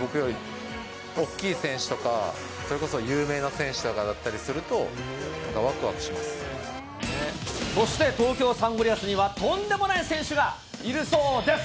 僕より大きい選手とか、それこそ有名な選手とかだったりすると、そして、東京サンゴリアスには、とんでもない選手がいるそうです。